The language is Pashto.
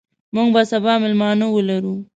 موږ به سبا میلمانه ولرو.